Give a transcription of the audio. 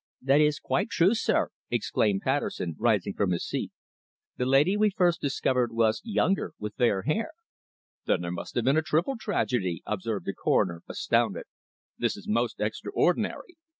"That is quite true, sir," exclaimed Patterson, rising from his seat. "The lady we first discovered was younger, with fair hair." "Then there must have been a triple tragedy," observed the Coroner, astounded. "This is most extraordinary."